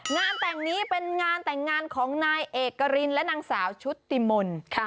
งานแต่งนี้เป็นงานแต่งงานของนายเอกรินและนางสาวชุติมนต์